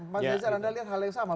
mas jazar anda lihat hal yang sama